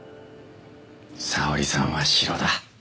沙織さんはシロだ。